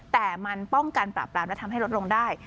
แต่มันป้องกันปราบปรามและทำให้ลดลงได้